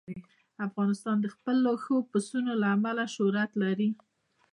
افغانستان د خپلو ښو پسونو له امله شهرت لري.